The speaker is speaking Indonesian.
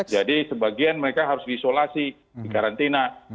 jadi sebagian mereka harus diisolasi dikarantina